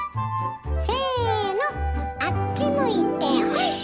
せのあっち向いてホイ！